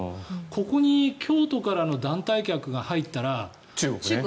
ここに京都からの団体客が入ったら。